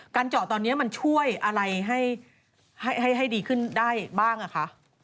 เจาะตอนนี้มันช่วยอะไรให้ดีขึ้นได้บ้างคะ